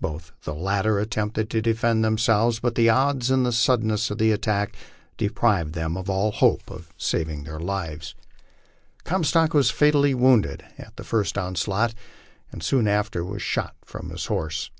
Both the latter at tempted to defend themselves, but the odds and the suddenness of the attack deprived them of all hope of saving their lives. Comstock was fatally wounded at the first onslaught, and soon after was shot from his horse.